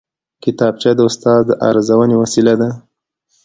کتابچه د استاد د ارزونې وسیله ده